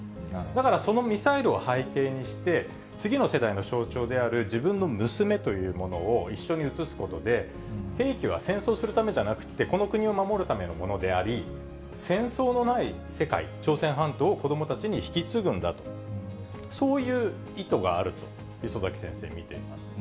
だからそのミサイルを背景として、次の世代の象徴である自分の娘というものをいっしょにうつすことで兵器は戦争するためじゃなくって、この国を守るためのものであり、戦争のない世界、朝鮮半島を子どもたちに引き継ぐんだと、そういう意図があると礒崎先生、見ています。